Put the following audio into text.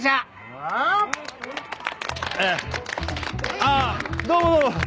あああどうもどうも。